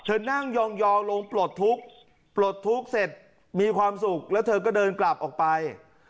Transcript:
เธอนั่งยองลงปลดทุกข์ปลดทุกข์เสร็จมีความสุขแล้วเธอก็เดินกลับออกไป